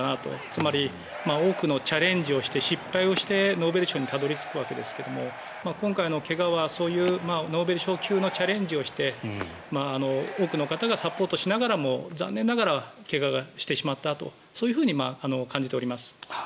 つまり、多くのチャレンジをして失敗をしてノーベル賞にたどり着くわけですが今回の怪我はそういうノーベル賞級のチャレンジをして多くの方がサポートしながらも残念ながら怪我してしまったとそういふうに感じております。